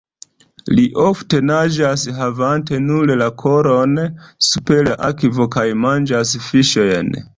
Ili ofte naĝas havante nur la kolon super la akvo kaj manĝas fiŝojn.